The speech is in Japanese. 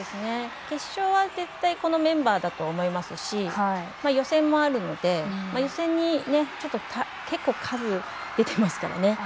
決勝は、絶対このメンバーだと思いますし予選もあるので、予選に結構数、出てますから。